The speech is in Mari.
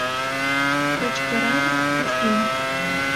— кычкырале Аслим.